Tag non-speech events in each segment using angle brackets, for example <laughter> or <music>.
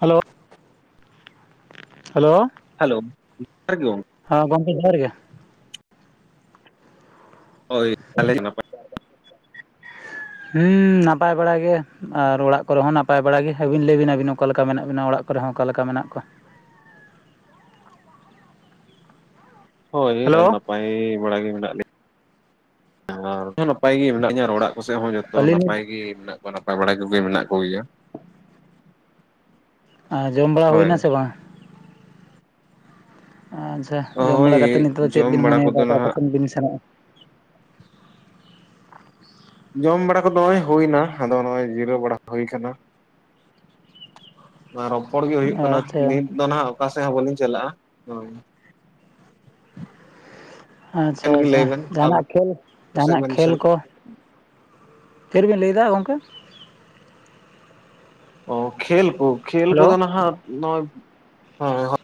Hello hello hello <inaudible> ᱦᱮᱸ ᱜᱚᱢᱠᱮ ᱡᱚᱦᱟᱨ ᱜᱮ᱾ ᱦᱳᱭ <inaudible> ᱦᱮᱸ ᱱᱟᱯᱟᱭ ᱵᱟᱲᱟ ᱜᱮ, ᱟᱨ ᱚᱲᱟᱜ ᱠᱚᱨᱮ ᱦᱚᱸ ᱱᱟᱯᱟᱭ ᱵᱟᱲᱟᱟᱜ ᱜᱮ, ᱟᱹᱵᱤᱱ ᱞᱟᱹᱭ ᱵᱤᱱ ᱟᱹᱵᱤᱱ ᱚᱠᱟ ᱞᱮᱠᱟ ᱢᱮᱱᱟᱜ ᱵᱤᱱᱟ ᱚᱲᱟᱜ ᱠᱚᱨᱮ ᱦᱚᱸ ᱚᱠᱟ ᱞᱮᱠᱟ ᱢᱮᱱᱟᱜ ᱠᱚᱣᱟ? ᱦᱳᱭ <inaudible> ᱦᱮᱞᱳ ᱱᱟᱯᱟᱭ ᱵᱟᱲᱟ ᱜᱮ ᱢᱮᱱᱟᱜ ᱞᱮ <inaudible> ᱱᱟᱯᱟᱭ ᱜᱮ ᱢᱮᱱᱟᱜ ᱞᱤᱧᱟ ᱚᱲᱟᱜ ᱠᱚᱥᱮᱜ ᱦᱚᱸ ᱡᱚ ᱛᱚ ᱟᱹᱞᱤᱧ ᱱᱟᱯᱟᱭ ᱜᱮ ᱢᱮᱱᱟᱜ ᱠᱚᱣᱟ ᱱᱟᱯᱟᱭ ᱵᱟᱲᱟ ᱠᱚᱜᱮ ᱢᱮᱱᱟᱜ ᱠᱚᱜᱮᱭᱟ᱾ ᱟᱨ ᱡᱚᱢ ᱵᱟᱲᱟ ᱦᱳᱭ ᱦᱩᱭᱱᱟ ᱥᱮ ᱵᱟᱝ? ᱟᱪᱪᱷᱟ ᱡᱚᱢ ᱦᱳᱭ ᱵᱟᱲᱟ ᱠᱟᱛᱮ ᱱᱤᱛᱚᱜ ᱫᱚ ᱪᱮᱫ ᱡᱚᱢ ᱵᱤᱱ ᱵᱟᱲᱟ ᱢᱚᱱᱮᱭ ᱫᱟ ᱠᱚᱫᱚ ᱱᱟᱦᱟᱜ ᱚᱠᱟᱥᱮᱱ ᱵᱤᱱ ᱥᱮᱱᱚᱜᱼᱟ? ᱡᱚᱢ ᱵᱟᱲᱟ ᱠᱚᱫᱚ ᱱᱚᱜᱼᱚᱭ ᱦᱩᱭᱱᱟ ᱟᱫᱚ ᱱᱚᱜᱼᱚᱭ ᱡᱤᱨᱟᱹᱣ ᱵᱟᱲᱟ ᱦᱩᱭ ᱠᱟᱱᱟ᱾ ᱨᱚᱯᱚᱲ ᱜᱮ ᱦᱩᱭᱩᱜ ᱠᱟᱱᱟ ᱟᱪᱪᱷᱟ ᱱᱤᱛ ᱫᱚ ᱱᱟᱦᱟᱜ ᱚᱠᱟ ᱥᱮᱜ ᱦᱚᱸ ᱵᱟᱹᱞᱤᱧ ᱪᱟᱞᱟᱜᱼᱟ ᱦᱳᱭ᱾ ᱟᱪᱪᱷᱟ ᱟᱵᱮᱱ ᱜᱮ ᱟᱪᱪᱷᱟ ᱞᱟᱹᱭ ᱵᱮᱱ ᱡᱟᱦᱟᱱᱟᱜ ᱠᱷᱮᱞ ᱠᱚᱥᱮᱫ ᱡᱟᱦᱟᱱᱟᱜ ᱵᱮᱱ ᱠᱷᱮᱞ ᱥᱮᱱ ᱠᱚ ᱪᱮᱫ ᱵᱤᱱ ᱞᱟᱹᱭᱮᱫᱟ ᱜᱚᱢᱠᱮ? ᱚ ᱠᱷᱮᱞ ᱠᱳ ᱠᱷᱮᱞ ᱠᱚ ᱦᱮᱞᱳ ᱫᱚ ᱱᱟᱦᱟᱜ ᱱᱚᱜᱼᱚᱭ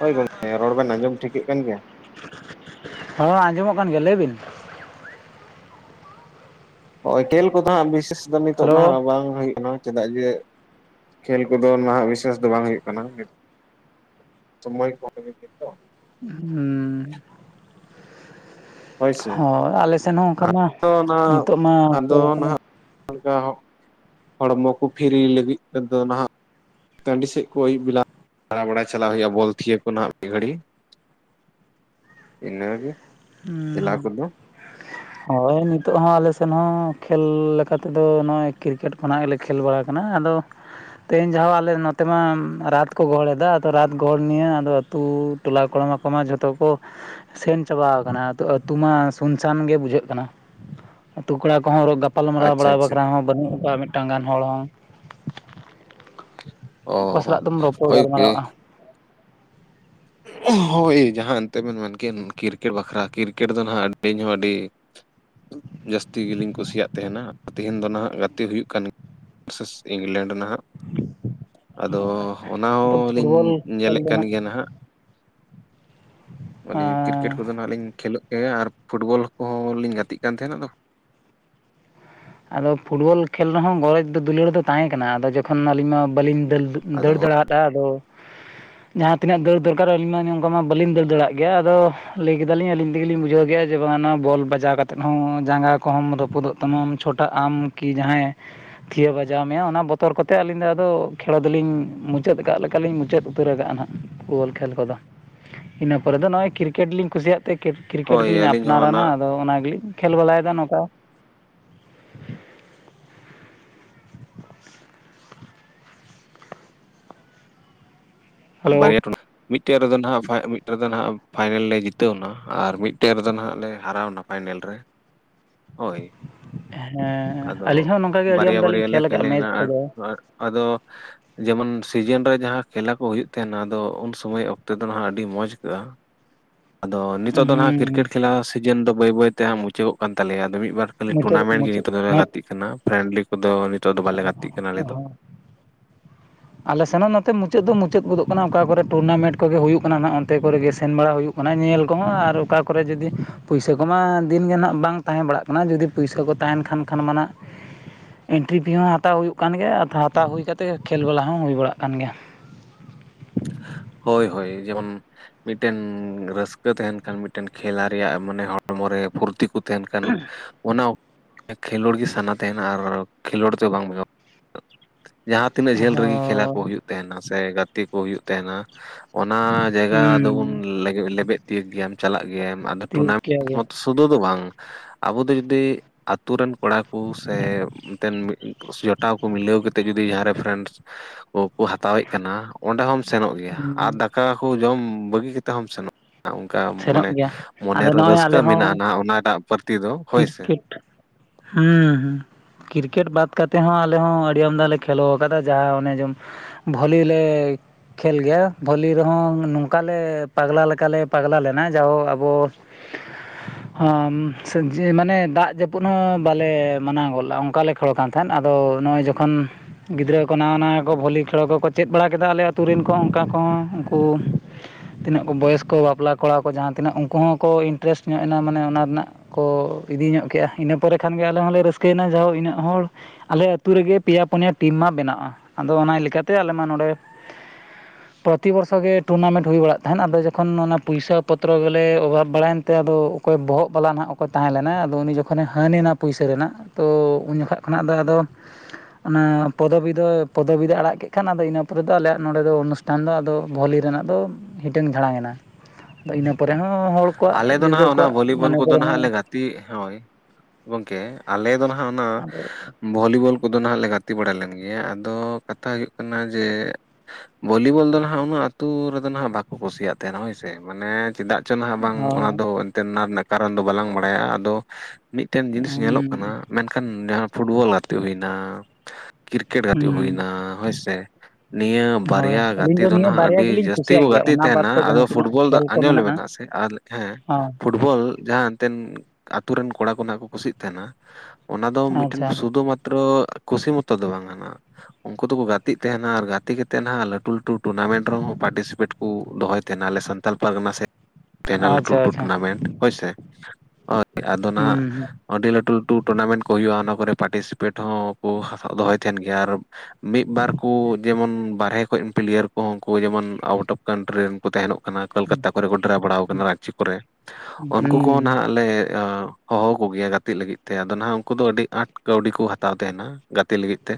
ᱦᱳᱭ ᱜᱚᱢᱠᱮ ᱨᱚᱲ ᱵᱮᱱ ᱟᱸᱡᱚᱢ ᱴᱷᱤᱠᱮᱜ ᱠᱟᱱ ᱜᱮᱭᱟ? ᱦᱚᱸ, ᱟᱸᱡᱚᱢᱚᱜ ᱠᱟᱱ ᱜᱮᱭᱟ ᱞᱟᱹᱭ ᱵᱤᱱ? ᱦᱚᱜᱼᱚᱭ ᱠᱷᱮᱞ ᱠᱚ ᱫᱚ ᱦᱟᱸᱜ ᱵᱤᱥᱮᱥ ᱫᱚ ᱱᱤᱛᱳᱜ ᱦᱮᱞᱳ ᱫᱚ ᱦᱟᱸᱜ ᱵᱟᱝ ᱵᱷᱟᱜᱮᱜ ᱠᱟᱱᱟ ᱾ ᱪᱮᱫᱟᱜ ᱡᱮ ᱠᱷᱮᱞ ᱠᱚ ᱫᱚ ᱱᱟᱦᱟᱜ ᱵᱤᱥᱮᱥ ᱫᱚ ᱵᱟᱝ ᱦᱳᱭᱳᱜ ᱠᱟᱱᱟ ᱾ ᱥᱚᱢᱚᱭ ᱠᱚ ᱜᱮ ᱛᱚ, <unintelligible> ᱦᱳᱭ ᱥᱮ, ᱟᱞᱮ ᱥᱮᱱ ᱦᱚᱸ ᱚᱱᱠᱟ ᱢᱟ ᱟᱫᱚ ᱚᱱᱟ ᱱᱤᱛᱚᱜ ᱢᱟ ᱠᱷᱮᱞ ᱟᱫᱚ ᱠᱟᱱᱟ ᱱᱟᱦᱟᱜ ᱚᱝᱠᱟ ᱦᱚᱸ ᱦᱚᱲᱢᱚ ᱠᱚ ᱯᱷᱤᱨᱤ ᱞᱟᱹᱜᱤᱫ ᱛᱮ ᱫᱚ ᱱᱟᱦᱟᱜ, ᱴᱟᱺᱰᱤ ᱥᱮᱫ ᱠᱚ ᱟᱹᱭᱩᱵ ᱵᱤᱞᱟ ᱫᱟᱲᱟ ᱵᱟᱲᱟᱭ ᱪᱟᱞᱟᱜ ᱦᱩᱭᱩᱜᱼᱟ ᱵᱚᱞ ᱛᱷᱤᱭᱟᱹ ᱠᱚ ᱱᱟᱦᱟᱜ ᱢᱤᱫ ᱜᱷᱟᱹᱲᱤ ᱾ ᱤᱱᱟᱹ ᱜᱮ, ᱦᱩᱸ, ᱦᱳᱭ ᱱᱤᱛᱳᱜ ᱦᱚᱸ ᱟᱞᱮ ᱥᱮᱱ ᱦᱚᱸ ᱠᱷᱮᱞ ᱞᱮᱠᱟ ᱛᱮ ᱫᱚ ᱱᱚᱜᱼᱚᱭ ᱠᱨᱤᱠᱮᱴ ᱠᱷᱚᱱᱟᱜ ᱠᱷᱮᱞ ᱵᱟᱲᱟ ᱠᱟᱱᱟ, ᱟᱫᱚ ᱛᱮᱦᱮᱧ ᱡᱟᱣᱦᱟᱸ ᱟᱞᱮ ᱱᱚᱛᱮ ᱢᱟ ᱨᱟᱛ ᱠᱚ ᱜᱚᱦᱚᱲ ᱮᱫᱟ ᱟᱫᱚ ᱨᱟᱛ ᱜᱚᱦᱚᱲ ᱱᱤᱭᱮ ᱟᱫᱚ ᱟᱹᱛᱩ ᱴᱚᱞᱟ ᱠᱚᱲᱟ ᱠᱚ ᱢᱟᱠᱚ ᱢᱟ ᱡᱷᱚᱛᱚ ᱠᱚ ᱥᱮᱱ ᱪᱟᱵᱟ ᱟᱹᱛᱩ ᱢᱟ ᱥᱩᱱᱥᱟᱱ ᱜᱮ ᱵᱩᱡᱷᱟᱹᱜ ᱠᱟᱱᱟ ᱟᱹᱛᱩ ᱠᱚᱲᱟ ᱠᱚ ᱦᱚᱸ ᱟᱨᱦᱚᱸ ᱜᱟᱯ ᱜᱟᱞᱢᱟᱨᱟᱣ ᱟᱪᱪᱷᱟ ᱵᱟᱲᱟ ᱟᱪᱪᱷᱟ ᱵᱟᱠᱷᱨᱟ ᱦᱚᱸ ᱵᱟᱹᱱᱩᱜ ᱠᱚᱣᱟ ᱢᱤᱫᱴᱟᱝ ᱜᱟᱱ ᱦᱚᱲ ᱦᱚᱸ ᱚ ᱚᱠᱚᱭ ᱦᱚᱸ ᱥᱟᱞᱟᱜ ᱫᱚᱢ ᱨᱚᱯᱚᱲ ᱦᱳᱭ ᱜᱮ ᱜᱟᱞᱢᱟᱨᱟᱜᱼᱟ? ᱦᱳᱭ ᱡᱟᱦᱟᱸ ᱮᱱᱛᱮᱫ ᱵᱮᱱ ᱢᱮᱱᱠᱮ ᱠᱨᱤᱠᱮᱴ ᱵᱟᱠᱷᱨᱟ ᱠᱨᱤᱠᱮᱴ ᱫᱚ ᱱᱟᱦᱟᱸᱜ ᱤᱧ ᱦᱚ ᱟᱹᱰᱤ <unintelligible> ᱡᱟᱹᱥᱛᱤ ᱜᱤᱞᱤᱧ ᱠᱩᱥᱤᱭᱟᱜ ᱛᱟᱦᱮᱱᱟ ᱛᱮᱦᱤᱧ ᱫᱚ ᱱᱟᱦᱟᱜ ᱜᱟᱛᱮ ᱦᱩᱭᱩᱜ ᱠᱟᱱ <inaudible> ᱤᱝᱞᱮᱱᱰ ᱱᱟᱦᱟᱜ, ᱟᱫᱚ ᱚᱱᱟ ᱦᱚ ᱟᱫᱚ ᱸᱞᱤᱧ ᱯᱷᱩᱴᱵᱚᱞ ᱠᱷᱮᱞ ᱧᱮᱞᱮᱫ ᱫᱚ ᱠᱟᱱ ᱱᱟᱜ ᱜᱮᱭᱟ ᱱᱟᱦᱟᱜ, ᱟᱹᱞᱤᱧ ᱠᱨᱤᱠᱮᱴ ᱠᱚ ᱫᱚ ᱱᱟᱦᱟᱸᱜ ᱞᱤᱧ ᱠᱷᱮᱞᱳᱜ ᱜᱮᱭᱟ ᱟᱨ ᱯᱷᱩᱴᱵᱚᱞ ᱠᱚ ᱦᱚᱸ ᱞᱤᱧ ᱜᱟᱛᱮᱜ ᱠᱟᱱ ᱛᱟᱦᱮᱱᱟᱜ ᱫᱚ, ᱟᱫᱚ ᱯᱷᱩᱴᱵᱚᱞ ᱠᱷᱮᱹᱞ ᱨᱮ ᱦᱚᱸ ᱜᱚᱨᱚᱡᱽ ᱫᱚ ᱫᱩᱞᱟᱹᱲ ᱫᱚ ᱛᱟᱦᱮᱸ ᱠᱟᱱᱟ ᱟᱫᱚ ᱡᱚᱠᱷᱚᱱ ᱟᱹᱞᱤᱧ ᱢᱟ ᱵᱟᱹᱞᱤᱧ ᱫᱟᱹ ᱫᱟᱹᱲ ᱟᱫᱚ ᱫᱟᱲᱮᱜᱼᱟ, ᱟᱫᱚ ᱡᱟᱦᱟᱸ ᱛᱤᱱᱟᱹᱜ ᱫᱟᱹᱲ ᱫᱚᱨᱠᱟᱨ ᱟᱹᱞᱤᱧ ᱢᱟ ᱱᱚᱝᱠᱟ ᱢᱟ ᱵᱟᱹᱞᱤᱧ ᱫᱟᱹᱲ ᱫᱟᱲᱮᱭᱟᱜ ᱜᱮᱭᱟ ᱟᱫᱚ ᱞᱟᱹᱭ ᱠᱮᱫᱟ ᱞᱤᱧ ᱟᱹᱞᱤᱧ ᱛᱮᱜᱮ ᱞᱤᱧ ᱵᱩᱡᱷᱟᱹᱣ ᱜᱮᱭᱟ᱾ ᱪᱮ ᱵᱟᱝᱟᱱᱟ ᱵᱚᱞ ᱵᱟᱡᱟᱣ ᱠᱟᱛᱮᱫ ᱦᱚᱸ ᱡᱟᱸᱜᱟ ᱠᱚ ᱦᱚᱸᱢ ᱨᱟᱹᱯᱩᱫᱚᱜ ᱛᱟᱢᱟ ᱪᱷᱚᱴᱟ ᱟᱢ ᱠᱤ ᱡᱟᱦᱟᱸᱭ ᱛᱷᱤᱭᱟᱹ ᱵᱟᱡᱟᱣ ᱢᱮᱭᱟ ᱚᱱᱟ ᱵᱚᱛᱚᱨ ᱠᱚᱛᱮ ᱟᱹᱞᱤᱧ ᱫᱚ ᱟᱫᱚ ᱠᱷᱮᱞᱟ ᱫᱩᱞᱤᱧ ᱢᱩᱪᱟᱹᱫ ᱟᱠᱟᱫ ᱞᱮᱠᱟ ᱞᱤᱧ ᱢᱩᱪᱟᱹᱫ ᱩᱛᱟᱹᱨ ᱠᱟᱜᱼᱟ ᱱᱟᱦᱟᱜ ᱵᱚᱞ ᱠᱷᱮᱞ ᱠᱚ ᱫᱚ ᱤᱱᱟᱹ ᱯᱚᱨᱮ ᱫᱚ ᱱᱚᱜᱼᱚᱭ ᱠᱨᱤᱠᱮᱴᱞᱤᱧ ᱠᱩᱥᱤᱭᱟ ᱛᱮ ᱠᱨᱤᱠᱮᱴ ᱦᱳᱭ ᱜᱤᱞᱤᱧ ᱟᱹᱞᱤᱧ ᱦᱚᱸ ᱚᱱᱟ ᱟᱯᱱᱟᱨᱟᱱᱟ ᱟᱫᱚ ᱚᱱᱟ ᱜᱤᱞᱤᱧ ᱠᱷᱮᱞ ᱵᱟᱲᱟᱭᱮᱫᱟ ᱱᱚᱝᱠᱟ ᱾ <unintelligible> ᱦᱮᱞᱳ ᱵᱟᱨᱭᱟ ᱴᱚᱱᱟ, ᱢᱤᱫᱴᱮᱱ ᱨᱮ ᱫᱚ ᱱᱟᱦᱟᱜ ᱢᱤᱫᱴᱮᱱ ᱨᱮ ᱫᱚ ᱱᱟᱦᱟᱜ ᱯᱷᱟᱭᱱᱮᱞ ᱞᱮ ᱡᱤᱛᱟᱹᱣ ᱮᱱᱟ ᱟᱨ ᱢᱤᱫᱴᱮᱱ ᱨᱮ ᱫᱚ ᱱᱟᱦᱟᱜ ᱞᱮ ᱦᱟᱨᱟᱣᱱᱟ ᱯᱷᱟᱭᱱᱮᱞ ᱨᱮ ᱾ <unintelligible> ᱦᱳᱭ, ᱦᱮᱸ ᱟᱹᱞᱤᱧ ᱟᱫᱚ ᱦᱚᱸ ᱱᱚᱝᱠᱟ ᱜᱮ ᱟᱹᱰᱤ ᱵᱟᱨᱭᱟ ᱟᱢᱫᱟ ᱞᱤᱧ ᱵᱟᱨᱭᱟ ᱞᱮ ᱠᱷᱮᱞ ᱟᱠᱟᱫᱼᱟ ᱢᱮᱪ ᱠᱷᱮᱞᱮᱱᱟ ᱠᱚᱫᱚ ᱟᱨ ᱟᱫᱚ ᱡᱮᱢᱚᱱ ᱥᱤᱡᱮᱱ ᱨᱮ ᱡᱟᱦᱟᱸ ᱠᱷᱮᱞᱟ ᱠᱚ ᱦᱩᱭᱩᱜ ᱛᱮᱱᱟᱫᱚ ᱩᱱ ᱥᱩᱢᱟᱹᱭ ᱚᱠᱛᱮ ᱫᱚ ᱱᱟᱦᱟᱜ ᱟᱹᱰᱤ ᱢᱚᱡᱽ ᱦᱳᱭᱳᱜᱼᱟ ᱾ ᱟᱫᱚ ᱱᱤᱛᱳᱜ ᱫᱚ ᱦᱩᱸ ᱱᱟᱦᱟᱸᱜ ᱠᱨᱤᱠᱮᱴ ᱠᱷᱮᱞᱟ ᱥᱤᱡᱤᱱ ᱫᱚ ᱵᱟᱹᱭ ᱵᱟᱹᱭᱛᱮ ᱦᱟᱸᱜ ᱢᱩᱪᱟᱹᱫᱚᱜ ᱠᱟᱱ ᱛᱟᱞᱮᱭᱟ ᱟᱫᱚ ᱢᱤᱫ ᱵᱟᱨ ᱠᱷᱟᱹᱞᱤ ᱢᱩᱪᱟᱹᱫ ᱴᱩᱨᱱᱟᱢᱮᱱᱴ ᱜᱮ ᱢᱩᱪᱟᱹᱫ ᱱᱤᱛᱳᱜ ᱫᱚᱞᱮ ᱦᱚᱸ ᱜᱟᱛᱮᱜ ᱠᱟᱱᱟ ᱯᱷᱨᱮᱱᱰᱞᱤ ᱠᱚᱫᱚ ᱱᱤᱛᱳᱜ ᱫᱚ ᱵᱟᱞᱮ ᱜᱟᱛᱮᱜ ᱠᱟᱱᱟ ᱟᱞᱮ ᱫᱚ <unintelligible> ᱟᱞᱮ ᱥᱮᱱᱚᱜ ᱱᱚᱛᱮ ᱢᱩᱪᱟᱹᱫ ᱫᱚ ᱢᱩᱪᱟᱹᱫ ᱜᱚᱫᱚᱜ ᱠᱟᱱᱟ ᱚᱠᱟ ᱠᱚᱨᱮ ᱴᱩᱨᱱᱟᱢᱮᱱᱴ ᱠᱚ ᱜᱮ ᱦᱩᱭᱩᱜ ᱠᱟᱱᱟ ᱱᱟᱜ ᱚᱱᱛᱮ ᱠᱚᱨᱮᱜ ᱜᱮ ᱥᱮᱱ ᱵᱟᱲᱟ ᱦᱩᱭᱩᱜ ᱚᱱᱟ ᱧᱮᱞ ᱠᱚ ᱦᱚᱸ ᱟᱨ ᱚᱠᱟ ᱠᱚᱨᱮ ᱡᱩᱫᱤ ᱯᱩᱭᱥᱟᱹ ᱠᱚᱢᱟ ᱫᱤᱱ ᱜᱮ ᱦᱟᱸᱜ ᱵᱟᱝ ᱛᱟᱦᱮᱸ ᱵᱟᱲᱟᱜ ᱠᱟᱱᱟ ᱡᱩᱫᱤ ᱯᱚᱭᱥᱟᱹ ᱠᱚ ᱛᱟᱦᱮᱱ ᱠᱷᱟᱱ ᱠᱷᱟᱱ ᱢᱟᱱᱟᱸᱜ ᱮᱱᱴᱨᱤ ᱯᱷᱤ ᱦᱚᱸ ᱦᱟᱛᱟᱣ ᱦᱩᱭᱩᱜ ᱠᱟᱱ ᱜᱮᱭᱟ ᱦᱟᱛᱟᱣ ᱦᱩᱭ ᱠᱟᱛᱮᱫ ᱠᱷᱮᱹᱞ ᱵᱟᱞᱟ ᱦᱚᱸ ᱦᱩᱭ ᱵᱟᱲᱟᱜ ᱠᱟᱱ ᱜᱮᱭᱟ ᱦᱳᱭ ᱦᱳᱭ ᱡᱮᱢᱚᱱ ᱢᱤᱫᱴᱮᱱ ᱨᱟᱹᱥᱠᱟᱹ ᱛᱟᱦᱮᱱ ᱠᱷᱟᱱ ᱢᱤᱫᱴᱮᱱ ᱠᱷᱮᱞᱟ ᱨᱮᱭᱟᱜ ᱢᱟᱱᱮ ᱦᱚᱲᱢᱚ ᱨᱮ ᱯᱷᱩᱨᱛᱤ ᱠᱚ ᱛᱟᱦᱮᱱ ᱠᱷᱟᱱ ᱚᱱᱟ ᱠᱷᱮᱞᱳᱰ ᱜᱮ ᱥᱟᱱᱟ ᱛᱟᱦᱮᱱᱟ ᱟᱨ ᱠᱷᱮᱞᱳᱰ ᱫᱚ ᱵᱟᱝ <inaudible> ᱡᱟᱦᱟᱸ ᱛᱤᱱᱟᱹᱜ ᱡᱷᱟᱹᱞ ᱨᱮᱜᱮ ᱠᱷᱮᱞᱟ ᱦᱳᱭ ᱠᱚ ᱦᱩᱭᱩᱜ ᱛᱟᱦᱮᱱᱟ ᱥᱮ ᱜᱟᱛᱮ ᱠᱚ ᱦᱩᱭᱩᱜ ᱛᱟᱦᱮᱱᱟ ᱚᱱᱟ ᱡᱟᱭᱜᱟ ᱫᱚᱵᱩᱱ ᱦᱩᱸ ᱞᱮ ᱞᱮᱵᱮᱫ ᱛᱤᱭᱳᱜ ᱜᱮᱟᱢ ᱪᱟᱞᱟᱜ ᱜᱮᱭᱟᱢ ᱟᱫᱚ ᱴᱷᱤᱠ ᱜᱮᱭᱟ ᱴᱩᱨᱱᱟᱢᱮᱱᱴ ᱜᱮ ᱢᱚᱛᱚ ᱥᱩᱫᱷᱩ ᱫᱚ ᱵᱟᱝ ᱟᱵᱚ ᱫᱚ ᱡᱩᱫᱤ ᱟᱛᱳ ᱨᱮᱱ ᱠᱚᱲᱟ ᱠᱚ ᱥᱮ ᱚᱱᱛᱮᱱ ᱡᱚᱴᱟᱣ ᱠᱚ ᱢᱤᱞᱟᱹᱣ ᱠᱟᱛᱮᱫ ᱡᱩᱫᱤ ᱡᱟᱦᱟᱸ ᱨᱮ ᱯᱷᱨᱮᱱᱰᱥ ᱠᱚᱠᱚ ᱦᱟᱛᱟᱣᱮᱫ ᱠᱟᱱᱟ ᱚᱸᱰᱮ ᱦᱚᱸ ᱥᱮᱱᱚᱜ ᱜᱮᱭᱟ ᱟᱨ ᱦᱩᱸ ᱫᱟᱠᱟ ᱠᱚ ᱡᱚᱢ ᱵᱟᱹᱜᱤ ᱠᱟᱛᱮᱜ ᱦᱚᱸ ᱥᱮᱱᱚᱜ ᱚᱱᱠᱟ ᱥᱮᱱᱚᱜ ᱢᱟᱱᱮ ᱜᱮᱭᱟ ᱟᱫᱚ ᱢᱚᱱᱮᱨᱮ ᱱᱚᱜᱼᱚᱭ ᱟᱞᱮ ᱨᱟᱹᱥᱠᱟᱹ ᱦᱚᱸ ᱢᱮᱱᱟᱜ-ᱟ ᱱᱟᱜ ᱚᱱᱟ ᱴᱟᱜ ᱯᱟᱹᱨᱛᱤ ᱫᱚ ᱦᱳᱭ ᱥᱮ ᱦᱮᱸ ᱦᱮᱸ ᱠᱨᱤᱠᱮᱴ ᱵᱟᱫ ᱠᱟᱛᱮᱫ ᱦᱚᱸ ᱟᱞᱮ ᱦᱚᱸ ᱟᱹᱰᱤ ᱟᱢᱫᱟ ᱞᱮ ᱠᱷᱮᱞᱳ ᱟᱠᱟᱫᱟ ᱡᱟᱦᱟᱸ ᱚᱱᱮ ᱡᱮᱢ ᱵᱷᱚᱞᱤ ᱞᱮ ᱠᱷᱮᱞ ᱜᱮᱭᱟ ᱵᱷᱚᱞᱤ ᱨᱮᱦᱚᱸ ᱱᱚᱝᱠᱟᱞᱮ ᱯᱟᱜᱽᱞᱟ ᱞᱮᱠᱟᱞᱮ ᱯᱟᱜᱽᱞᱟ ᱞᱮᱱᱟ ᱡᱟᱣᱚ ᱟᱵᱚ ᱦᱚᱸ ᱥᱚᱵ ᱡᱮᱭᱮ ᱢᱟᱱᱮ ᱫᱟᱜ ᱡᱟᱹᱯᱩᱫ ᱦᱚᱸ ᱵᱟᱞᱮ ᱢᱟᱱᱟᱣ ᱜᱚᱫ ᱞᱮᱜ-ᱟ ᱚᱱᱠᱟ ᱞᱮᱠᱟ ᱠᱷᱮᱲᱚ ᱠᱟᱱ ᱛᱟᱦᱮᱸᱫ ᱟᱫᱚ ᱱᱚᱜᱼᱚᱭ ᱡᱚᱠᱷᱚᱱ ᱜᱤᱫᱽᱨᱟᱹ ᱠᱚ ᱱᱟᱣᱟ ᱱᱟᱣᱟ ᱠᱚ ᱵᱷᱚᱞᱤ ᱠᱷᱮᱞᱳ ᱠᱚᱠᱚ ᱪᱮᱫ ᱵᱟᱲᱟ ᱠᱮᱫᱟ ᱟᱞᱮ ᱟᱹᱛᱩ ᱨᱮᱱ ᱠᱚ ᱚᱱᱠᱟ ᱠᱚᱦᱚᱸ ᱩᱱᱠᱩ ᱛᱤᱱᱟᱹᱜ ᱠᱚ ᱵᱚᱭᱚᱥ ᱠᱚ ᱵᱟᱯᱞᱟ ᱠᱚᱲᱟ ᱠᱚ ᱡᱟᱦᱟᱸ ᱛᱤᱱᱟᱹᱜ ᱩᱱᱠᱩ ᱦᱚᱸᱠᱚ ᱤᱱᱴᱟᱨᱮᱥᱴ ᱧᱚᱜ ᱮᱱᱟ ᱢᱟᱱᱮ ᱚᱱᱟ ᱨᱮᱱᱟᱜ ᱠᱚ ᱤᱫᱤ ᱧᱚᱜ ᱠᱮᱜᱼᱟ ᱤᱱᱟᱹ ᱯᱚᱨᱮ ᱠᱷᱟᱱᱜᱮ ᱟᱞᱮ ᱦᱚᱸᱞᱮ ᱨᱟᱹᱥᱠᱟᱹᱭᱮᱱᱟ ᱡᱟᱦᱚ ᱤᱱᱟᱹᱜ ᱦᱚᱲ ᱟᱞᱮ ᱟᱹᱛᱩ ᱨᱮᱜᱮ ᱯᱮᱭᱟ ᱯᱩᱱᱭᱟ ᱴᱤᱢ ᱢᱟ ᱵᱮᱱᱟᱜᱼᱟ ᱟᱫᱚ ᱚᱱᱟ ᱞᱮᱠᱟᱛᱮ ᱟᱞᱮ ᱢᱟ ᱱᱚᱰᱮ ᱯᱨᱚᱛᱤ ᱵᱚᱨᱥᱚ ᱜᱮ ᱴᱩᱨᱱᱟᱢᱮᱱᱴ ᱦᱩᱭ ᱵᱟᱲᱟᱜ ᱛᱟᱦᱮᱸᱫ ᱟᱫᱚ ᱡᱚᱠᱷᱚᱱ ᱚᱱᱟ ᱯᱩᱭᱥᱟᱹ ᱯᱚᱛᱨᱚ ᱜᱮᱞᱮ ᱚᱵᱷᱟᱵᱽ ᱵᱟᱲᱟᱭᱮᱱ ᱛᱮ ᱟᱫᱚ ᱚᱠᱚᱭ ᱵᱚᱦᱚᱜ ᱵᱟᱞᱟ ᱱᱟᱦᱟᱜ ᱚᱠᱚᱭ ᱛᱟᱦᱮᱸ ᱞᱮᱱᱟ ᱟᱫᱚ ᱩᱱᱤ ᱡᱚᱠᱷᱚᱱᱮ ᱦᱟᱹᱱᱮᱱᱟ ᱯᱩᱭᱥᱟᱹ ᱨᱮᱱᱟᱜ ᱛᱚ ᱩᱱ ᱡᱚᱠᱷᱟᱱ ᱠᱷᱚᱱᱟᱜ ᱫᱚ ᱟᱫᱚ ᱯᱚᱫᱚᱵᱤ ᱫᱚ ᱯᱚᱫᱚᱵᱤ ᱞᱮ ᱟᱲᱟᱜ ᱠᱮᱫ ᱠᱷᱟᱱ ᱟᱫᱚ ᱤᱱᱟᱹ ᱯᱚᱨᱮ ᱫᱚ ᱟᱞᱮᱭᱟᱜ ᱱᱚᱸᱰᱮ ᱫᱚ ᱚᱱᱩᱥ -ᱴᱷᱟᱱ ᱫᱚ ᱟᱫᱚ ᱵᱷᱚᱞᱤ ᱨᱮᱱᱟᱜ ᱫᱚ ᱦᱤᱴᱟᱹᱱ ᱡᱷᱟᱲᱟᱝ ᱮᱱᱟ ᱟᱫᱚ ᱤᱱᱟᱹ ᱯᱚᱨᱮ ᱦᱚᱸ ᱦᱚᱲ ᱠᱚᱣᱟᱜ ᱟᱞᱮ ᱫᱚ ᱜᱤᱫᱽᱨᱟᱹ ᱱᱟᱦᱟᱜ ᱚᱱᱟ ᱠᱚᱣᱟᱜ ᱵᱷᱚᱞᱤ ᱵᱚᱞ ᱢᱚᱱᱮ ᱠᱚᱫᱚ ᱠᱚᱨᱮ ᱦᱚᱸ ᱱᱟᱦᱟᱜ ᱞᱮ ᱜᱟᱛᱮ ᱛᱤ ᱦᱳᱭ ᱜᱚᱢᱠᱮ ᱟᱞᱮ ᱫᱚ ᱦᱟᱜ ᱚᱱᱟ ᱟᱫᱚ ᱵᱷᱚᱞᱤᱵᱚᱞ ᱠᱚᱫᱚ ᱦᱟᱜ ᱞᱮ ᱜᱟᱛᱮ ᱵᱟᱲᱟ ᱞᱮᱱ ᱜᱮᱭᱟ ᱟᱫᱚ ᱠᱟᱛᱷᱟ ᱦᱩᱭᱩᱜ ᱠᱟᱱᱟ ᱡᱮ ᱵᱷᱚᱞᱤ ᱵᱚᱞ ᱫᱚ ᱱᱟᱦᱟᱜ ᱩᱱᱟᱹᱜ ᱟᱹᱛᱩ ᱨᱮᱫᱚ ᱱᱟᱦᱟᱜ ᱵᱟᱠᱚ ᱠᱩᱥᱤᱭᱟᱜ ᱛᱟᱦᱮᱸᱱᱟ ᱦᱳᱭ ᱥᱮ ᱢᱟᱱᱮ ᱪᱮᱫᱟᱜ ᱪᱚ ᱱᱟᱦᱟᱜ ᱵᱟᱝ ᱦᱳᱭ ᱮᱱᱛᱮ ᱚᱱᱟ ᱨᱮᱱᱟᱜ ᱠᱟᱨᱚᱱ ᱫᱚ ᱵᱟᱞᱟᱝ ᱵᱟᱲᱟᱭᱟ ᱟᱫᱚ ᱢᱤᱫᱴᱮᱱ ᱡᱤᱱᱤᱥ ᱧᱮᱞᱚᱜ ᱠᱟᱱᱟ ᱢᱮᱱᱠᱷᱟᱱ ᱡᱟᱦᱟᱸ ᱯᱷᱩᱴᱵᱚᱞ ᱜᱟᱛᱮᱜ ᱦᱩᱭᱱᱟ ᱠᱨᱤᱠᱮᱴ ᱜᱟᱛᱮᱜ ᱦᱩᱭᱱᱟ ᱦᱩᱸ ᱦᱳᱭ ᱥᱮ ᱱᱤᱭᱳ ᱦᱳᱭ ᱵᱟᱨᱭᱟ ᱟᱹᱞᱤᱧ ᱜᱟᱛᱮ ᱫᱚ ᱱᱤᱭᱟᱹ ᱦᱟᱜ ᱟᱹᱰᱤ ᱵᱟᱨᱭᱟ ᱜᱮᱞᱤᱧ ᱡᱟᱹᱥᱛᱤ -ᱛᱤ ᱠᱩᱥᱤᱭᱟᱜ ᱠᱚ ᱜᱮᱭᱟ ᱜᱟᱛᱮᱜ ᱚᱱᱟ ᱵᱟᱫᱽ ᱛᱟᱦᱮᱱᱟ ᱛᱮ ᱟᱫᱚ ᱡᱟᱦᱟᱸ ᱛᱤᱱᱟᱹᱜ ᱯᱷᱩᱴᱵᱚᱞ ᱫᱚ ᱠᱷᱮᱞ ᱠᱚ ᱟᱸᱡᱚᱢ ᱢᱮᱱᱟᱜᱼᱟ ᱞᱮᱵᱮᱱ ᱦᱟᱸᱜ ᱥᱮ ᱟᱨ ᱦᱮᱸ ᱦᱚᱸ ᱯᱷᱩᱴᱵᱚᱞ ᱡᱟᱦᱟᱸ ᱮᱱᱛᱮ ᱟᱹᱛᱩ ᱨᱮᱱ ᱠᱚᱲᱟ ᱠᱚ ᱦᱟᱜ ᱠᱚ ᱠᱩᱥᱤᱜ ᱛᱟᱦᱮᱸᱱᱟ ᱚᱱᱟ ᱫᱚ ᱢᱤᱫᱴᱮᱱ ᱟᱪᱪᱷᱟ ᱥᱩᱫᱷᱩ ᱢᱟᱛᱨᱚ ᱠᱩᱥᱤ ᱢᱚᱛᱚ ᱫᱚ ᱵᱟᱝ ᱠᱟᱱᱟ ᱩᱱᱠᱩ ᱫᱚᱠᱚ ᱜᱟᱛᱮᱜ ᱛᱟᱦᱮᱸᱱᱟ ᱟᱨ ᱜᱟᱛᱮ ᱠᱟᱛᱮᱫ ᱦᱟᱜ ᱞᱟᱹᱴᱩ ᱞᱟᱹᱴᱩ ᱴᱩᱨᱱᱟᱢᱮᱱᱴ ᱨᱮᱦᱚᱸ ᱯᱟᱴᱤᱥᱤᱯᱮᱴ ᱫᱚᱦᱚᱭ ᱛᱟᱦᱮᱸᱱᱟ ᱟᱞᱮ ᱥᱟᱱᱛᱟᱲ ᱯᱟᱨᱜᱟᱱᱟ ᱥᱮ ᱯᱮᱱᱮᱞ ᱞᱟᱹᱴᱩ ᱟᱪᱪᱷᱟ ᱞᱟᱹᱴᱩ ᱟᱪᱪᱷᱟ ᱴᱩᱨᱱᱟᱢᱮᱱᱴ ᱦᱳᱭᱥᱮ ᱦᱳᱭ ᱟᱫᱚ ᱱᱟᱜ ᱦᱩᱸ ᱟᱹᱰᱤ ᱞᱟᱹᱴᱩ ᱞᱟᱹᱴᱩ ᱴᱩᱨᱱᱟᱢᱮᱱᱴ ᱠᱚ ᱦᱩᱭᱩᱜᱼᱟ ᱚᱱᱟ ᱠᱚᱨᱮ ᱯᱟᱴᱤᱥᱤᱯᱮᱴ ᱦᱚᱸᱠᱚ ᱦᱟᱛᱟᱣ ᱫᱚᱦᱚᱭ ᱛᱟᱦᱮᱸᱱ ᱜᱮᱭᱟ ᱟᱨ ᱢᱤᱫᱵᱟᱨ ᱠᱚ ᱡᱮᱢᱚᱱ ᱵᱟᱨᱦᱮ ᱠᱷᱚᱱ ᱯᱞᱮᱭᱟᱨ ᱠᱚᱦᱚᱸ ᱩᱱᱠᱩ ᱡᱮᱢᱚᱱ ᱟᱣᱩᱴ ᱚᱯᱷ ᱠᱟᱱᱴᱨᱤ ᱨᱮᱱ ᱠᱚ ᱛᱟᱦᱮᱱᱚᱜ ᱠᱟᱱᱟ ᱠᱚᱞᱠᱟᱛᱟ ᱠᱚᱨᱮ ᱰᱮᱨᱟ ᱵᱟᱲᱟ ᱟᱠᱟᱱᱟ ᱨᱟᱺᱪᱤ ᱠᱚᱨᱮ ᱦᱩᱸ ᱩᱱᱠᱩ ᱠᱚ ᱦᱚᱸ ᱦᱩᱸ ᱱᱟᱦᱟᱜ ᱞᱮ ᱦᱚᱦᱚᱣ ᱠᱚᱜᱮᱭᱟ ᱜᱟᱛᱮᱜ ᱞᱟᱹᱜᱤᱫ ᱛᱮ ᱟᱫᱚ ᱦᱟᱜ ᱩᱱᱠᱩ ᱫᱚ ᱟᱹᱰᱤ ᱟᱸᱴ ᱠᱟᱹᱣᱰᱤ ᱠᱚ ᱦᱟᱛᱟᱣ ᱛᱟᱦᱮᱱᱟ ᱜᱟᱛᱮᱜ ᱞᱟᱹᱜᱤᱫ -ᱛᱮ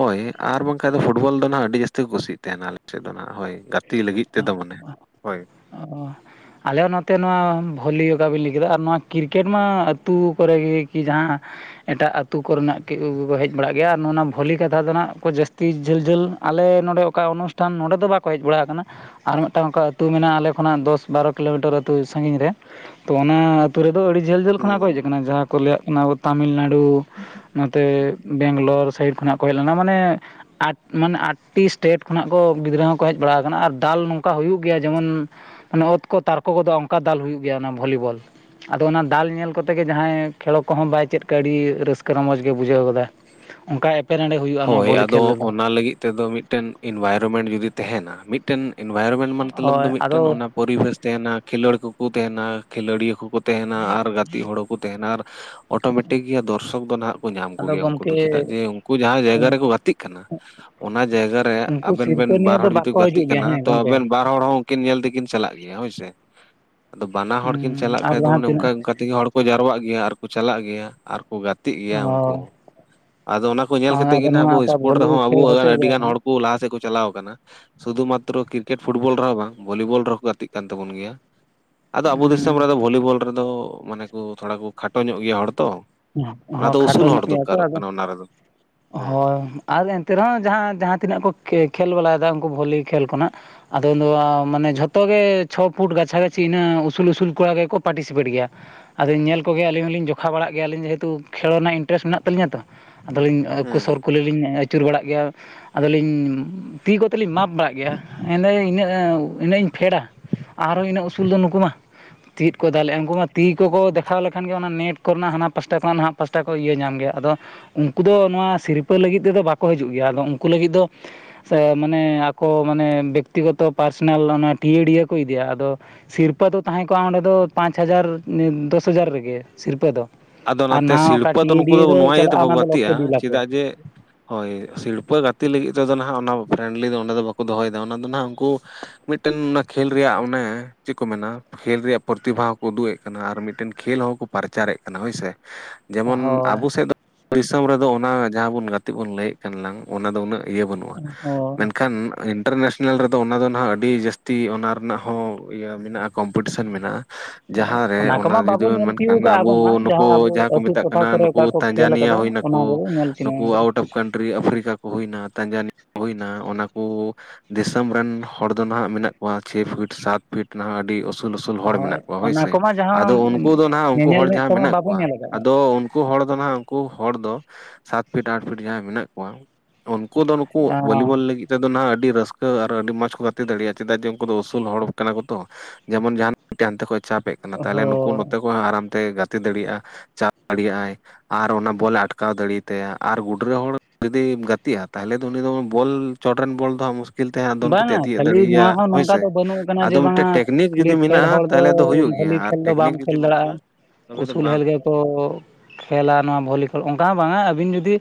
ᱦᱳᱭ ᱟᱨ ᱵᱟᱝᱠᱷᱟᱱ ᱫᱚ ᱯᱷᱩᱴᱵᱚᱞ ᱫᱚ ᱱᱟᱜ ᱟᱹᱰᱤ ᱡᱟᱹᱥᱛᱤ ᱠᱚ ᱠᱩᱥᱤᱭᱟᱜ ᱛᱟᱦᱮᱱᱟ ᱟᱞᱮ ᱥᱮᱫ ᱫᱚ ᱦᱟᱜ ᱦᱳᱭ ᱜᱟ ᱛᱤ ᱞᱟᱹᱜᱤᱫ ᱛᱮᱫᱚ ᱢᱟᱱᱮ ᱦᱳᱭ᱾ ᱚᱻ ᱟᱞᱮ ᱦᱚᱸ ᱱᱚᱛᱮ ᱱᱚᱣᱟ ᱵᱷᱚᱞᱤ ᱚᱠᱟᱵᱤᱱ ᱞᱟᱹᱭ ᱠᱮᱫᱟ ᱟᱨ ᱱᱚᱣᱟ ᱠᱨᱤᱠᱮᱴ ᱢᱟ ᱟᱹᱛᱩ ᱠᱚᱨᱮ ᱜᱮ ᱠᱤ ᱡᱟᱦᱟᱸᱼᱼ ᱮᱴᱟᱜ ᱟᱹᱛᱩ ᱠᱚᱨᱮᱱᱟᱜ ᱠᱟᱹᱡ ᱦᱮᱡ ᱵᱟᱲᱟᱜ ᱜᱮᱭᱟ ᱟᱨ ᱱᱚᱣᱟ ᱵᱷᱚᱞᱤ ᱠᱟᱛᱷᱟ ᱫᱚ ᱦᱟᱸᱱᱟᱜ ᱠᱚ ᱡᱟᱹᱥᱛᱤ ᱡᱷᱟᱹᱞ ᱡᱷᱟᱹᱞᱼᱼ ᱟᱞᱮ ᱱᱚᱸᱰᱮ ᱚᱠᱟ ᱚᱱᱩᱥᱴᱷᱟᱱ ᱱᱚᱰᱮ ᱫᱚ ᱵᱟᱠᱚ ᱦᱮᱡ ᱵᱟᱲᱟ ᱟᱠᱟᱱᱟ᱾ ᱟᱨ ᱢᱤᱫᱴᱟᱝ ᱚᱱᱠᱟ ᱟᱹᱛᱩ ᱢᱮᱱᱟᱜᱼᱟ ᱟᱞᱮ ᱠᱷᱚᱱᱟᱜ ᱫᱚᱥ ᱵᱟᱨᱚ ᱠᱤᱞᱳᱢᱤᱴᱟᱨ ᱟᱹᱛᱩ ᱥᱟᱜᱤᱧ ᱨᱮ᱾ ᱛᱚ ᱚᱱᱟ ᱟᱹᱛᱩ ᱨᱮᱫᱚ ᱟᱹᱰᱤ ᱡᱷᱟᱹᱞ ᱡᱷᱟᱹᱞ ᱦᱩᱸ ᱠᱷᱚᱱᱟᱜ ᱠᱚ ᱦᱮᱡ ᱟᱠᱟᱱᱟ ᱡᱟᱦᱟᱸ ᱠᱚ ᱞᱟᱹᱭᱟᱜ ᱟᱵᱚ ᱛᱟᱹᱢᱤᱞᱱᱟᱲᱩ, ᱲᱩ ᱱᱚᱛᱮ ᱵᱮᱝᱞᱳᱨ ᱥᱟᱭᱤᱰ ᱠᱷᱚᱱᱟᱜ᱾ ᱠᱚ ᱦᱮᱡ ᱞᱮᱱᱟ ᱢᱟᱱᱮ ᱟᱴ ᱢᱟᱱᱮ ᱟᱴᱴᱤ ᱥᱴᱮᱴ ᱠᱷᱚᱱᱟᱜ ᱠᱚ ᱜᱤᱫᱽᱨᱟᱹ ᱦᱚᱸᱠᱚ ᱦᱮᱡ ᱵᱟᱲᱟ ᱟᱠᱟᱱᱟ ᱟᱨ᱾ ᱫᱟᱞ ᱱᱚᱝᱠᱟ ᱦᱩᱭᱩᱜ ᱜᱮᱭᱟ ᱡᱮᱢᱚᱱ ᱢᱟᱱᱮ ᱚᱛ ᱠᱚ ᱛᱟᱨᱠᱚ ᱠᱚᱫᱚᱜ ᱚᱱᱠᱟ ᱫᱟᱞ ᱦᱩᱭᱩᱜ ᱜᱮᱭᱟ ᱚᱱᱟ ᱵᱷᱚᱞᱤᱵᱚᱞ᱾ ᱟᱫᱚ ᱚᱱᱟ ᱫᱟᱞ ᱧᱮᱞ ᱠᱚᱛᱮ ᱜᱮ ᱡᱟᱦᱟᱸᱭ ᱠᱷᱮᱞᱳᱜ ᱠᱚᱦᱚᱸ ᱵᱟᱭ ᱪᱮᱫ ᱠᱟᱜ ᱟᱹᱰᱤ ᱨᱟᱹᱥᱠᱟᱹ ᱨᱚᱢᱚᱡᱽ ᱜᱮ ᱵᱩᱡᱷᱟᱹᱣ ᱜᱚᱫᱟ᱾ ᱚᱱᱠᱟ ᱮᱯᱮᱨᱦᱮᱸᱰᱮ ᱦᱩᱭᱩᱜᱼᱟ ᱱᱚᱣᱟ ᱦᱳᱭ ᱵᱷᱚᱞᱤ ᱟᱫᱚ ᱠᱷᱮᱞ ᱨᱮᱫᱚ ᱚᱱᱟ ᱞᱟᱹᱜᱤᱫ ᱛᱮᱫᱚ ᱢᱤᱫᱴᱮᱱ ᱤᱱᱵᱟᱭᱨᱚᱢᱮᱱᱴ ᱡᱩᱫᱤ ᱛᱟᱦᱮᱱᱟ, ᱢᱤᱫᱴᱮᱱ ᱤᱱᱵᱷᱟᱭᱨᱚᱢᱮᱱᱴ ᱢᱚᱛᱞᱚᱵ ᱫᱚ ᱦᱳᱭ ᱟᱫᱚ ᱢᱤᱫᱴᱮᱱ ᱚᱱᱟ ᱯᱚᱨᱤᱵᱮᱥ ᱛᱟᱦᱮᱱᱟ ᱠᱷᱮᱞᱳᱲ ᱠᱚᱠᱚ ᱛᱟᱦᱮᱱᱟ, ᱠᱷᱮᱞᱳᱰᱤᱭᱟᱹ ᱠᱚᱠᱚ ᱛᱟᱦᱮᱱᱟ ᱟᱨ ᱜᱟᱛᱮᱜ ᱦᱚᱲ ᱠᱩ ᱛᱟᱦᱮᱱᱟ ᱟᱨ ᱚᱴᱳᱢᱮᱴᱤᱠ ᱜᱮ ᱫᱚᱨᱥᱚᱠ ᱫᱚ ᱱᱟᱦᱟᱜ ᱠᱚ ᱧᱟᱢ ᱟᱫᱚ ᱠᱚᱜᱮᱭᱟ ᱩᱱᱠᱩ ᱫᱚ, ᱪᱮᱫᱟᱜ ᱜᱚᱢᱠᱮ ᱡᱮ ᱩᱱᱠᱩ ᱚᱱᱟ ᱡᱟᱭᱜᱟ ᱨᱮᱠᱚ ᱜᱟᱛᱮᱜ ᱠᱟᱱᱟ᱾ ᱚᱱᱟ ᱡᱟᱭᱜᱟ ᱨᱮ ᱩᱱᱠᱩ ᱟᱵᱮᱱ ᱵᱮᱱ ᱥᱤᱨᱯᱟᱹ ᱵᱟᱨ ᱱᱤᱭᱟᱹ ᱫᱚ ᱦᱚᱲ ᱡᱩᱫᱤ ᱵᱟᱠᱚ ᱜᱟᱛᱮᱜ ᱦᱤᱡᱩᱜ ᱜᱮᱭᱟ ᱠᱟᱱᱟ ᱦᱮᱸ ᱛᱚ ᱜᱚᱢᱠᱮ ᱟᱵᱮᱱ ᱵᱟᱨ ᱦᱚᱲ ᱦᱚᱸ ᱠᱤᱱ ᱧᱮᱞ ᱛᱮᱠᱤᱱ ᱪᱟᱞᱟᱜ ᱜᱮᱭᱟ ᱦᱳᱭᱥᱮ, ᱟᱫᱚ ᱵᱟᱱᱟ ᱦᱩᱸ ᱦᱚᱲ ᱠᱤᱱ ᱪᱟᱞᱟᱜ ᱟᱨ ᱠᱷᱟᱡ ᱡᱟᱦᱟᱸ ᱚᱱᱮ ᱚᱱᱠᱟ ᱛᱤᱱᱟᱹᱜ ᱚᱱᱠᱟ ᱛᱮᱜᱮ ᱦᱚᱲ ᱠᱚ ᱡᱟᱨᱳᱣᱟᱜ ᱜᱮᱭᱟ ᱟᱨ ᱠᱚ ᱪᱟᱞᱟᱜ ᱜᱮᱭᱟ ᱟᱨ ᱠᱚ ᱜᱟᱛᱮᱜ ᱜᱮᱭᱟ ᱩᱱᱠᱩ ᱦᱳᱭ ᱦᱚᱸ, ᱟᱫᱚ ᱚᱱᱟ ᱠᱚ ᱧᱮᱞ ᱠᱟᱛᱮᱜ ᱜᱮ ᱟᱫᱚ ᱱᱟᱷᱟᱜ ᱱᱚᱣᱟ ᱟᱵᱚ ᱚᱱᱠᱟ ᱥᱯᱳᱨᱴ ᱵᱷᱚᱞᱤ ᱨᱮᱦᱚᱸ ᱠᱷᱮᱞ ᱟᱵᱚ ᱦᱚᱪᱚ ᱟᱹᱰᱤ ᱜᱮᱭᱟ ᱜᱟᱱ ᱠᱚ ᱦᱚᱲ ᱠᱩ ᱞᱟᱦᱟ ᱥᱮᱫ ᱠᱚ ᱪᱟᱞᱟᱣ ᱠᱟᱱᱟ᱾ ᱥᱩᱫᱷᱩ ᱢᱟᱛᱛᱨᱚ ᱠᱨᱤᱠᱮᱴ ᱯᱷᱩᱴᱵᱚᱞ ᱨᱮᱦᱚᱸ ᱵᱟᱝ ᱵᱷᱚᱞᱤᱵᱚᱞ ᱨᱮᱦᱚᱸ ᱠᱚ ᱜᱟᱛᱮᱜ ᱠᱟᱱ ᱛᱟᱵᱚᱱ ᱜᱮᱭᱟ᱾ ᱟᱫᱚ ᱟᱵᱚ ᱫᱤᱥᱚᱢ ᱦᱚᱸ ᱨᱮᱫᱚ ᱵᱷᱚᱞᱤᱵᱚᱞ ᱨᱮᱫᱚᱻ ᱢᱟᱱᱮ ᱠᱚ ᱛᱷᱚᱲᱟ ᱠᱚ ᱠᱷᱟᱴᱚ ᱧᱚᱜ ᱜᱮᱭᱟ ᱦᱚᱲ ᱛᱚ᱾ ᱟᱫᱚ ᱩᱥᱩᱞ ᱦᱚᱲ ᱫᱚᱨᱠᱟᱨᱚᱜ ᱠᱟᱱᱟ ᱚᱱᱟ ᱨᱮᱫᱚ᱾ ᱦᱩᱸ ᱦᱚ ᱟᱨ ᱮᱱᱛᱮ ᱨᱮᱦᱚᱸ ᱡᱟᱦᱟᱸ ᱡᱟᱦᱟᱸ ᱛᱤᱱᱟᱹᱜ ᱠᱚ ᱠᱮ-ᱠᱷᱮᱞ ᱵᱟᱞᱟᱭᱫᱟ ᱩᱱᱠᱩ ᱵᱷᱚᱞᱤ ᱠᱷᱮᱞ ᱠᱚ ᱱᱟᱦᱟᱜ ᱟᱫᱚ ᱩᱱᱫᱚ ᱢᱟᱱᱮ ᱡᱷᱚᱛᱚ ᱜᱮ ᱪᱷᱚ ᱯᱷᱩᱴ ᱜᱟᱪᱷᱟ ᱜᱟᱪᱷᱤ ᱤᱱᱟᱹ ᱩᱥᱩᱞ ᱩᱥᱩᱞ ᱠᱚᱲᱟ ᱜᱮᱠᱚ ᱯᱟᱴᱤᱥᱤᱯᱮᱴ ᱜᱮᱭᱟ᱾ ᱟᱫᱚ ᱧᱮᱞ ᱠᱚᱜᱮᱭᱟ ᱟᱹᱞᱤᱧ ᱦᱚᱞᱤᱧ ᱡᱚᱠᱷᱟ ᱵᱟᱲᱟᱜ ᱜᱮᱭᱟᱞᱤᱧ ᱡᱮᱦᱮᱛᱩ ᱠᱷᱮᱞᱳᱲ ᱨᱮᱱᱟᱜ ᱤᱱᱴᱟᱨᱮᱥᱴ ᱢᱮᱱᱟᱜ ᱛᱟᱹᱞᱤᱧᱟ ᱛᱚ ᱟᱫᱚᱞᱤᱧ ᱩᱱᱠᱩ ᱦᱩᱸ ᱥᱩᱨ ᱠᱩᱞᱤᱞᱤᱧ ᱟᱪᱩᱨ ᱵᱟᱲᱟᱜ ᱜᱮᱭᱟ᱾ ᱟᱫᱚᱞᱤᱧ ᱛᱤ ᱠᱚᱛᱮ ᱞᱤᱧ ᱢᱟᱯ ᱵᱟᱲᱟᱜ ᱜᱮᱭᱟ ᱢᱮᱱᱫᱟᱹᱧ ᱤᱱᱟᱹᱜ ᱤᱱᱟᱹᱜ ᱤᱧ ᱯᱷᱮᱰᱟ᱾ ᱟᱨᱦᱚ ᱤᱱᱟᱹᱜ ᱩᱥᱩᱞ ᱫᱚ ᱱᱩᱠᱩ ᱢᱟ᱾ ᱪᱮᱫ ᱠᱚ ᱫᱟᱞᱮᱜᱼᱟ ᱩᱱᱠᱩ ᱢᱟ ᱛᱤ ᱠᱚᱠᱚ ᱫᱮᱠᱷᱟᱣ ᱞᱮᱠᱷᱟᱱ ᱜᱮ ᱚᱱᱟ ᱱᱮᱴ ᱠᱚᱨᱮᱱᱟᱜ ᱦᱟᱱᱟ ᱯᱟᱥᱴᱟ ᱠᱷᱚᱱᱟᱜ ᱱᱟᱦᱟᱜ ᱯᱟᱥᱴᱟ ᱠᱚ ᱤᱭᱟᱹ ᱧᱟᱢ ᱜᱮᱭᱟ ᱟᱫᱚ ᱩᱱᱠᱩ ᱫᱚ ᱱᱚᱣᱟ ᱥᱤᱨᱯᱟᱹ ᱞᱟᱹᱜᱤᱫ ᱛᱮᱫᱚ ᱵᱟᱠᱚ ᱦᱤᱡᱩᱜ ᱜᱮᱭᱟ, ᱟᱫᱚ ᱩᱱᱠᱩ ᱞᱟᱹᱜᱤᱫ ᱫᱚ ᱥᱮ ᱢᱟᱱᱮ ᱟᱠᱚ ᱢᱟᱱᱮ ᱵᱮᱠᱛᱤᱜᱚᱛᱚ ᱯᱟᱨᱥᱚᱱᱟᱞ ᱚᱱᱟ ᱴᱤᱭᱟᱹᱲᱤᱭᱟᱹ ᱠᱚ ᱤᱫᱤᱭᱟ ᱟᱫᱚ ᱥᱤᱨᱯᱟᱹ ᱫᱚ ᱛᱟᱦᱮᱸ ᱠᱚᱜᱼᱟ ᱚᱸᱰᱮ ᱫᱚ ᱯᱟᱸᱪ ᱦᱟᱡᱟᱨ ᱫᱚᱥ-ᱦᱟᱡᱟᱨ ᱨᱮᱜᱮ ᱥᱤᱨᱯᱟᱹ ᱫᱚ᱾ ᱟᱫᱚ ᱟᱨ ᱚᱱᱟᱛᱮ ᱱᱟᱦᱟᱜ ᱚᱠᱟ ᱥᱤᱲᱯᱟᱹ ᱫᱚ ᱱᱩᱠᱩ ᱴᱤᱭᱟᱹᱰᱤᱭᱟᱹ ᱫᱚ ᱱᱚᱣᱟ ᱤᱭᱟᱹᱛᱮ ᱪᱟᱞᱟᱜᱼᱟ ᱵᱟᱠᱚ ᱚᱱᱟ ᱫᱚ ᱜᱟᱛᱮᱜᱼᱟ ᱞᱚᱠᱠᱷᱮ ᱫᱩ ᱞᱟᱠᱷ ᱨᱮ ᱪᱮᱫᱟᱜ ᱡᱮ ᱦᱳᱭ ᱥᱤᱲᱯᱟᱹ ᱜᱟᱛᱮ ᱞᱟᱹᱜᱤᱫ ᱫᱚ ᱟᱫᱚ ᱱᱟᱦᱟᱜ ᱚᱱᱟ ᱯᱷᱨᱮᱱᱰᱞᱤ ᱫᱚ ᱚᱸᱰᱮ ᱫᱚ ᱵᱟᱠᱚ ᱫᱚᱦᱚᱭᱫᱟ, ᱚᱱᱟ ᱫᱚ ᱱᱟᱦᱟᱜ ᱩᱱᱠᱩ ᱢᱤᱫᱴᱮᱱ ᱚᱱᱟ ᱠᱷᱮᱞ ᱨᱮᱭᱟᱜ ᱚᱱᱮ ᱪᱮᱫ ᱠᱚ ᱢᱮᱱᱟ ᱠᱷᱮᱞ ᱨᱮᱭᱟᱜ ᱯᱳᱨᱛᱤᱵᱷᱟ ᱦᱚᱸᱠᱚ ᱩᱫᱩᱜ ᱮᱫ ᱠᱟᱱᱟ, ᱟᱨ ᱢᱤᱫᱴᱮᱱ ᱠᱷᱮᱞ ᱦᱚ ᱠᱚ ᱯᱟᱨᱪᱟᱨᱮᱫ ᱠᱟᱱᱟ ᱦᱳᱭᱥᱮ, ᱡᱮᱢᱚᱱ ᱦᱳᱭ ᱟᱵᱚ ᱥᱮᱫ ᱫᱚ ᱫᱤᱥᱚᱢ ᱨᱮᱫᱚ ᱚᱱᱟ ᱡᱟᱦᱟᱸ ᱵᱚᱱ ᱜᱟᱛᱮ ᱵᱚᱱ ᱞᱟᱹᱭᱮᱫ ᱞᱟᱝ ᱚᱱᱟ ᱫᱚ ᱩᱱᱟᱹᱜ ᱤᱭᱟᱹ ᱵᱟᱹᱱᱩᱜᱼᱟ ᱦᱳᱭ ᱢᱮᱱᱠᱷᱟᱱ ᱤᱱᱴᱟᱨᱱᱮᱥᱱᱮᱞ ᱨᱮᱫᱚ ᱚᱱᱟ ᱫᱚ ᱱᱟᱦᱟᱸᱜ ᱟᱹᱰᱤ ᱡᱟᱹᱥᱛᱤ ᱚᱱᱟ ᱨᱮᱱᱟᱜ ᱦᱚᱸ ᱤᱭᱟᱹ ᱢᱮᱱᱟᱜᱼᱟ ᱠᱚᱢᱯᱤᱴᱤᱥᱮᱱ ᱢᱮᱱᱟᱜᱼᱟ᱾ ᱡᱟᱦᱟᱸᱨᱮ ᱚᱱᱟ ᱠᱚᱢᱟ ᱡᱩᱫᱤ ᱵᱟᱵᱚ ᱵᱚᱱ ᱧᱮᱞ ᱢᱮᱱᱠᱟᱱ ᱛᱤᱭᱳᱜ ᱟᱵ ᱠᱟᱜᱼᱟ ᱟᱵᱚ ᱢᱟ ᱠᱩ ᱱᱩᱠᱩ ᱟᱵᱚ ᱡᱟᱦᱟᱸ ᱠᱚ ᱟᱹᱛᱩ ᱢᱮᱛᱟᱜ ᱴᱚᱴᱷᱟ ᱠᱟᱱᱟ ᱠᱚᱨᱮ ᱱᱩᱠᱩ ᱚᱠᱟ ᱠᱚ ᱠᱷᱮᱞ ᱛᱟᱸᱡᱟᱱᱤᱭᱟ ᱟᱠᱟᱫᱟ ᱦᱩᱭ ᱱᱟᱠᱳ, ᱚᱱᱟ ᱠᱚᱵᱚ ᱧᱮᱞ ᱱᱩᱠᱩ ᱛᱤᱭᱳᱜ ᱟᱠᱟᱜᱼᱟ ᱟᱣᱩᱴ ᱚᱯᱷ ᱠᱟᱱᱴ ᱨᱤ ᱟᱯᱷᱨᱤᱠᱟ ᱠᱚ ᱦᱩᱭᱱᱟ ᱛᱟᱧᱡᱟᱱᱤ ᱦᱩᱭᱱᱟ ᱚᱱᱟ ᱠᱚ ᱫᱤᱥᱚᱢ ᱨᱮᱱ ᱦᱚᱲ ᱫᱚ ᱱᱟᱦᱟᱜ ᱢᱮᱱᱟᱜ ᱠᱚᱣᱟ ᱪᱷᱮ ᱯᱷᱤᱴ ᱥᱟᱛ ᱯᱷᱤᱴ ᱱᱟᱦᱟᱜ ᱟᱹᱰᱤ ᱩᱥ ᱩᱥᱩᱞ ᱩᱥᱩᱞ ᱦᱚᱲ ᱢᱮᱱᱟᱜ ᱦᱳᱭ ᱠᱚᱣᱟ ᱚᱱᱟ ᱦᱳᱭᱥᱮ ᱠᱚᱢᱟ ᱡᱟᱦᱟᱸ ᱟᱫᱚ ᱩᱱᱠᱩ ᱫᱚ ᱱᱟᱦᱟᱜ ᱩᱱᱠᱩ ᱧᱮᱧᱮᱞ ᱦᱚᱲ ᱢᱮᱫ ᱡᱟᱦᱟᱸ ᱛᱮᱢᱟ ᱢᱮᱱᱟᱜ ᱵᱟᱵᱚ ᱠᱚᱣᱟ ᱧᱮᱞ ᱟᱠᱟᱫᱼᱟ ᱟᱫᱚ ᱳᱱ ᱠᱩ ᱦᱚᱲ ᱫᱚ ᱱᱟᱦᱟᱜ ᱩᱱᱠᱩ ᱦᱚᱲ ᱫᱚ ᱥᱟᱛ ᱯᱷᱤᱴ ᱟᱴ ᱯᱷᱤᱴ ᱡᱟᱦᱟᱸᱭ ᱢᱮᱱᱟᱜ ᱠᱚᱣᱟ ᱩᱱᱠᱩ ᱫᱚ ᱱᱩᱠᱩ ᱵᱷᱚᱞᱤᱵᱚᱞ ᱞᱟᱹᱜᱤᱫ᱾ ᱛᱮᱫᱚ ᱱᱟᱦᱟᱜ ᱟᱹᱰᱤ ᱨᱟᱹᱥᱠᱟᱹ ᱟᱨ ᱟᱹᱰᱤ ᱢᱚᱸᱡᱽ ᱠᱚ ᱜᱟᱛᱮ ᱫᱟᱲᱮᱜᱼᱟ ᱪᱮᱫᱟᱜ ᱡᱮ ᱩᱱᱠᱩ ᱫᱚ ᱩᱥᱩᱞ ᱦᱚᱲ ᱠᱟᱱᱟ ᱠᱚ ᱛᱚ᱾ ᱡᱮᱢᱚᱱ ᱡᱟᱦᱟᱸ ᱢᱤᱫᱴᱮᱱ ᱦᱟᱱᱛᱮ ᱠᱷᱚᱸᱡ ᱪᱟᱯᱮᱜ ᱠᱟᱱᱟ ᱛᱟᱦᱞᱮ ᱱᱩᱠᱩ ᱦᱳᱭ ᱱᱚᱛᱮ ᱠᱚ ᱟᱨᱟᱢᱛᱮ ᱜᱟᱛᱮ ᱫᱟᱹᱲᱤᱜᱼᱟ᱾ ᱪᱟᱯ ᱫᱟᱲᱤᱭᱟᱜᱼᱟᱭ᱾ ᱟᱨ ᱚᱱᱟ ᱵᱚᱞᱮ ᱟᱴᱠᱟᱣ ᱫᱟᱹᱲᱤᱭᱟᱛᱟᱭᱟ, ᱟᱨ ᱜᱩᱰᱨᱟᱹ ᱦᱚᱲ ᱡᱩᱫᱤᱢ ᱜᱟᱹᱛᱤᱜᱼᱟ ᱛᱟᱦᱞᱮ ᱫᱚ ᱩᱱᱤ ᱫᱚ ᱵᱚᱞ ᱪᱚᱴ ᱨᱮᱱ ᱵᱚᱞ ᱫᱚ ᱦᱟᱸᱜ ᱢᱩᱥ ᱠᱤᱞ ᱛᱮ ᱦᱟᱸᱜ ᱫᱚᱱ ᱠᱟᱛᱮᱜ ᱵᱟᱝᱟ ᱮ ᱛᱤᱭᱟᱹᱜ ᱠᱷᱟᱹᱞᱤ ᱫᱟᱹᱲᱤᱭᱭᱟ ᱱᱚᱣᱟ ᱦᱚᱸ ᱱᱚᱝᱠᱟ ᱦᱳᱭᱥᱮ ᱫᱚ ᱵᱟᱹᱱᱩᱜ ᱟᱠᱟᱱᱟ ᱟᱫᱚ ᱡᱮ ᱢᱤᱫᱴᱮᱡ ᱵᱟᱝᱟ ᱴᱮᱠᱱᱤᱠ ᱠᱷᱟᱹᱞᱤ ᱡᱩᱫᱤ ᱯᱷᱮᱰ ᱢᱮᱱᱟᱜᱼᱟ ᱦᱚᱲ ᱛᱟᱦᱞᱮ ᱫᱚ ᱦᱩᱭᱩᱜ ᱜᱮᱭᱟ, ᱵᱷᱚᱞᱤ ᱟᱨ ᱠᱷᱮᱞ ᱫᱚ ᱵᱟᱢ ᱴᱮᱠᱱᱤᱠ ᱡᱩᱫᱤ ᱠᱷᱮᱞ ᱵᱟᱹᱱᱩᱜᱼᱟ ᱫᱟᱲᱮᱭᱟᱜᱼᱟ ᱛᱚᱵᱮ ᱫᱚ ᱩᱥᱩᱞ ᱵᱟᱝ ᱦᱮᱞ ᱜᱮᱠᱚ ᱠᱷᱮᱞᱟ ᱱᱚᱣᱟ ᱵᱷᱚᱞᱤᱠᱚᱞ ᱚᱝᱠᱟ ᱦᱚᱸ ᱵᱟᱝᱼᱟ ᱟᱹᱵᱤᱱ ᱡᱩᱫᱤ